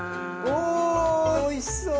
おおいしそう！